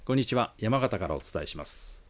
山形からお伝えします。